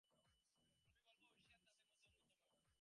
আমি বলবো ঊশিয়ান তাদের মধ্যে অন্যতম।